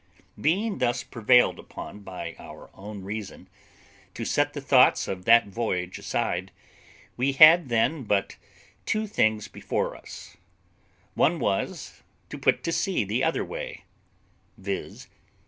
Being thus prevailed upon by our own reason to set the thoughts of that voyage aside, we had then but two things before us; one was, to put to sea the other way; viz.